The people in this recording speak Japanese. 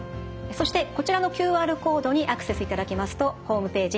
そしてこちらのＱＲコードにアクセスいただきますとホームページ